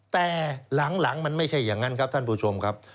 แต่หลังมันไม่ใช่อย่างนั้นครับท่านผู้ชมครับ